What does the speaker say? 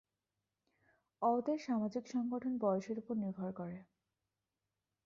অওদের সামাজিক সংগঠন বয়সের ওপর নির্ভর করে।